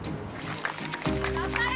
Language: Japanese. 頑張れ！